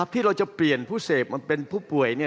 ที่เราจะเปลี่ยนผู้เสพมาเป็นผู้ป่วย